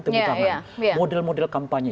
tepuk tangan iya iya model model kampanye